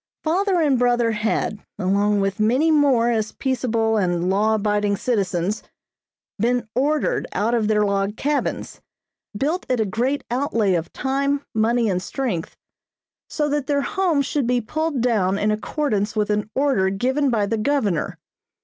Father and brother had, along with many more as peaceable and law abiding citizens, been ordered out of their log cabins, built at a great out lay of time, money and strength, so that their homes should be pulled down in accordance with an order given by the Governor.